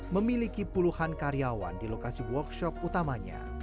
memiliki puluhan karyawan di lokasi workshop utamanya